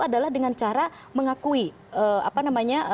adalah dengan cara mengakui apa namanya